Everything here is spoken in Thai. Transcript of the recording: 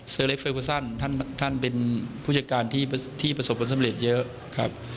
เพราะผู้จัดการทีมเซอร์เล็กเฟอร์กัสซั่นท่านเป็นผู้จัดการที่ประสบควรสำเร็จเยอะ